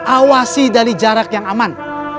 awasi dari jarak yang aman